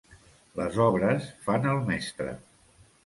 Les obres fan el mestre.